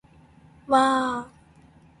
わああああ